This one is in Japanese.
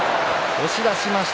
押し出しました。